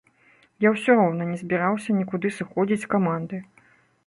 Я ўсё роўна не збіраўся нікуды сыходзіць з каманды.